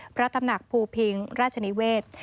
พระตำหนักภูพิงราชนิเวศ